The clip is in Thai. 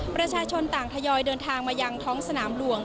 ประชาชนต่างทยอยเดินทางมายังท้องสนามหลวง